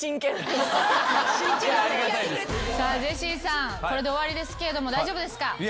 さあジェシーさんこれで終わりですけれども大丈夫ですか？